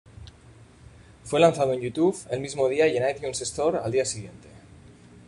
Fue lanzado en YouTube el mismo día y en iTunes Store al día siguiente.